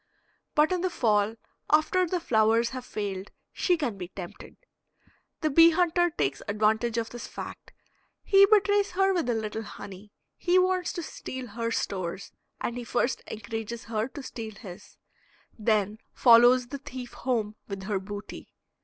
But in the fall, after the flowers have failed, she can be tempted. The bee hunter takes advantage of this fact; he betrays her with a little honey. He wants to steal her stores, and he first encourages her to steal his, then follows the thief home with her booty.